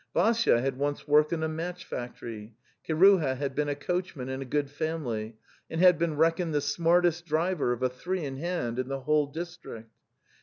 Vassya had once worked in a match fac tory; Kiruha had been a coachman in a good family, and had been reckoned the smartest driver of a three in hand in the whole district.